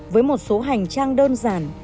với một số hành trang đơn giản